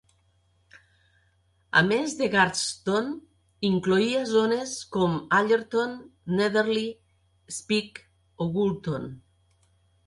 A més de Garston, incloïa zones com Allerton, Netherley, Speke i Woolton.